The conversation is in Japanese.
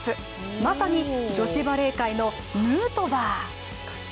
まさに女子バレー界のヌートバー。